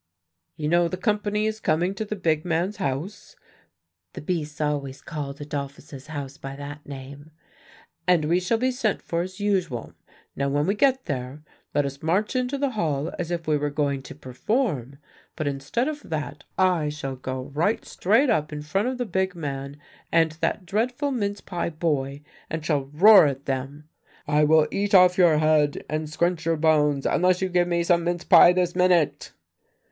"'You know the company is coming to the big man's house' the beasts always called Adolphus's house by that name 'and we shall be sent for as usual. Now, when we get there, let us march into the hall as if we were going to perform. But instead of that I shall go right straight up in front of the big man and that dreadful mince pie boy, and shall roar at them: 'I will eat off your head and scrunch your bones, unless you give me some mince pie this minute!